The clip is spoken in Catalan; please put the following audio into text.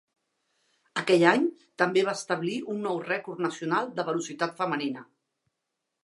Aquell any també va establir un nou rècord nacional de velocitat femenina.